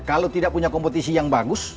kalau tidak punya kompetisi yang bagus